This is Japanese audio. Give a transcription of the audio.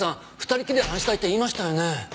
２人っきりで話したいって言いましたよね？